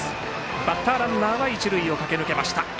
バッターランナーは一塁を駆け抜けました。